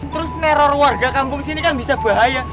terus neror warga kampung sini kan bisa bahaya